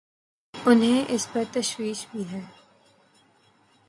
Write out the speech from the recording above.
انہیں اس پر تشویش بھی ہے۔